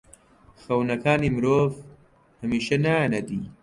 خەونەکانی مرۆڤ هەمیشە نایەنە دی.